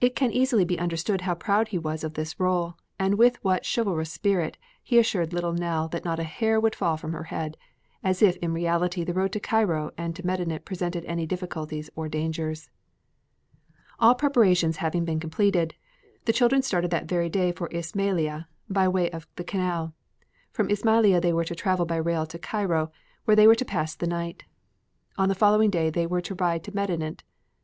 It can easily be understood how proud he was of this role and with what chivalrous spirit he assured little Nell that not a hair would fall from her head, as if in reality the road to Cairo and to Medinet presented any difficulties or dangers. All preparations having been completed, the children started that very day for Ismailia by way of the Canal. From Ismailia they were to travel by rail to Cairo, where they were to pass the night. On the following day they were to ride to Medinet.